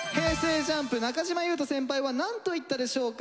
ＪＵＭＰ中島裕翔先輩はなんと言ったでしょうか？